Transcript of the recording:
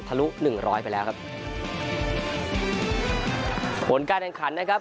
ทะลุหนึ่งร้อยไปแล้วครับ